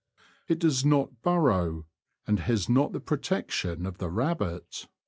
It does not burrow, and has not the protection of the rabbit.